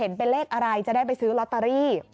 เห็นเป็นเลขอะไรจะได้ไปซื้อลอตเตอรี่